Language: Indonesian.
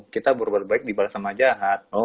kita berbuat baik dibalas sama jahat